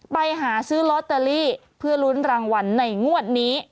ไปหาซื้อลอตเตอรี่เพื่อลุ้นรางวัลในงวดนี้